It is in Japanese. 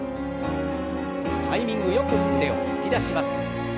タイミングよく腕を突き出します。